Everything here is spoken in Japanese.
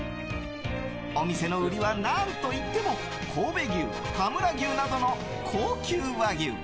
お店の売りは何といっても神戸牛、田村牛などの高級和牛。